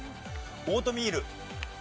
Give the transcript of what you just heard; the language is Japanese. オートミール。